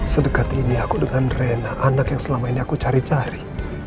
sedekati ini aku dengan rena anak yang selama ini aku cari cari